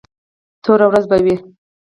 توره ورځ به وي.